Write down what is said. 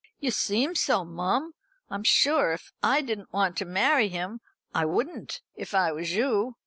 "You seem so, mum. I'm sure if I didn't want to marry him, I wouldn't, if I was you.